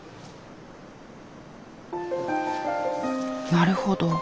なるほど。